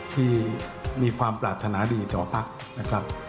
ที่มีความปลาดธนาดีต่อปั๊กนะครับ